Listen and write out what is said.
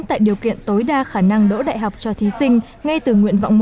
tạo điều kiện tối đa khả năng đỗ đại học cho thí sinh ngay từ nguyện vọng một